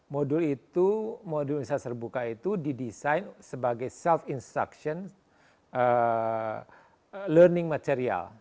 modul ini didesain sebagai self instruction learning material